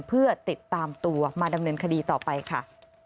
เพื่อติดตามตัวมาดำเนินคดีต่อไปค่ะ